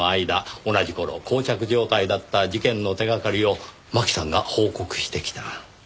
同じ頃こう着状態だった事件の手掛かりを真紀さんが報告してきた。